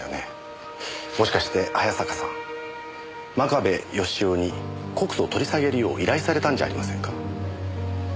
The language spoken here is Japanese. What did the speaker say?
もしかして早坂さん真壁義雄に告訴を取り下げるよう依頼されたんじゃありませんか？